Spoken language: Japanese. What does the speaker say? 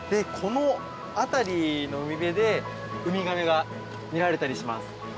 この辺りの海辺でウミガメが見られたりします。